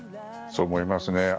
そう思いますね。